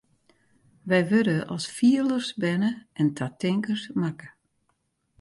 Wy wurde as fielers berne en ta tinkers makke.